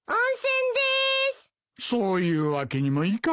そういうわけにもいかん。